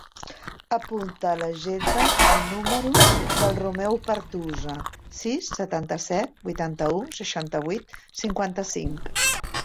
Apunta a l'agenda el número del Romeo Pertusa: sis, setanta-set, vuitanta-u, seixanta-vuit, cinquanta-cinc.